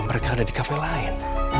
apa mereka ada di cafe lain